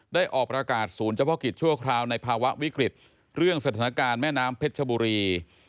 ออกประกาศศูนย์เฉพาะกิจชั่วคราวในภาวะวิกฤตเรื่องสถานการณ์แม่น้ำเพชรชบุรี